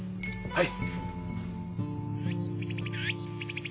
はい！